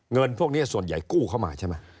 เงินพวกนี้ส่วนใหญ่กู้เข้ามาใช่ไหม